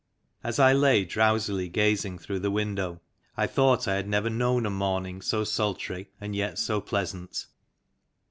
As I lay drowsily gazing through the window, I thought I had never known a morning so sultry, and yet so pleasant.